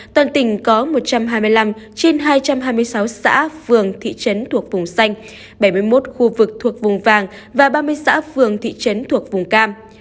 toàn tỉnh có một trăm hai mươi năm trên hai trăm hai mươi sáu xã phường thị trấn thuộc vùng xanh bảy mươi một khu vực thuộc vùng vàng và ba mươi xã phường thị trấn thuộc vùng cam